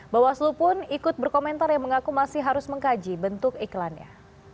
bawaslu pun ikut berkomentar yang mengaku masih harus mengkaji bentuk iklannya